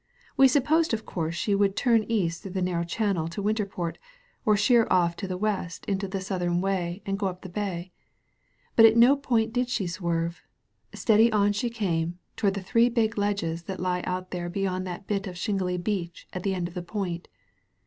We supposed of course she would turn east through the narrow channel to Winterport, or sheer off to the west into the Southern Way and go up the bay. But not a point did she swerve. Steady on she came, toward the three big ledges that lie out there beyond that bit of shingly beach at the end of the point.